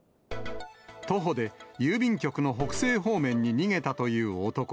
徒歩で郵便局の北西方面に逃げたという男。